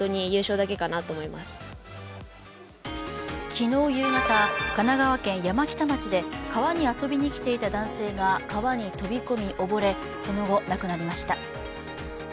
昨日夕方、神奈川県山北町で川に遊びに来ていた男性が川に飛び込み、溺れ、その後、亡くなりました。